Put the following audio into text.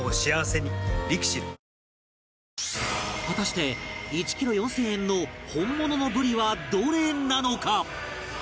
果たして１キロ４０００円の本物のブリはどれなのか？